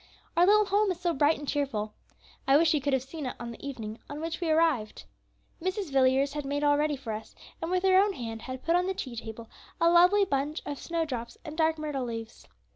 "Our little home is so bright and cheerful! I wish you could have seen it on the evening on which we arrived. Mrs. Villiers had made all ready for us, and with her own hand had put on the tea table a lovely bunch of snowdrops and dark myrtle leaves.